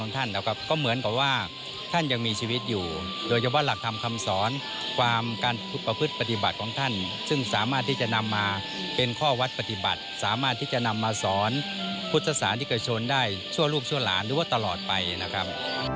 ที่จะสอนพุทธศาสตร์ที่เกิดชนได้ชั่วลูกชั่วหลานหรือว่าตลอดไปนะครับ